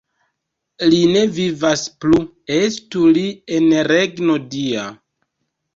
Li ne vivas plu, estu li en regno Dia!